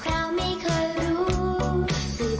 ข่าวไม่เคยรู้